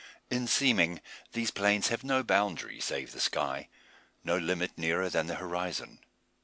In seeming these plains have no boundary save the sky no limit nearer than the horizon.